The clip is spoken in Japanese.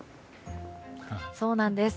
そうなんです。